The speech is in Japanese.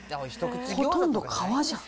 ほとんど皮じゃん。